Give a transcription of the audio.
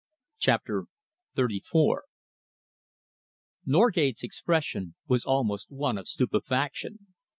CHAPTER XXXIV Norgate's expression was almost one of stupefaction.